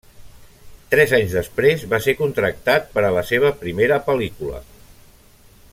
Tres anys després va ser contractat per a la seva primera pel·lícula.